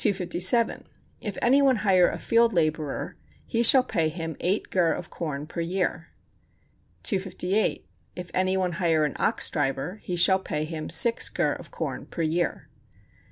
257. If any one hire a field laborer, he shall pay him eight gur of corn per year. 258. If any one hire an ox driver, he shall pay him six gur of corn per year.